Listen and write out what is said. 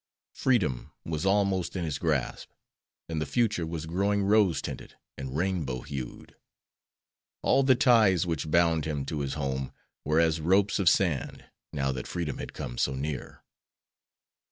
Freedom was almost in his grasp, and the future was growing rose tinted and rainbow hued. All the ties which bound him to his home were as ropes of sand, now that freedom had come so near.